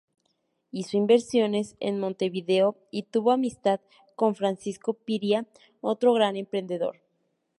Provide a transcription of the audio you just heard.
Hizo inversiones en Montevideo y tuvo amistad con Francisco Piria, otro gran emprendedor.